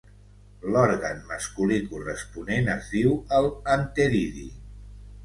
L'òrgan masculí corresponent es diu el anteridi.